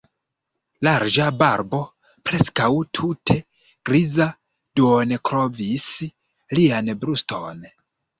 Larĝa barbo, preskaŭ tute griza, duonkovris lian bruston.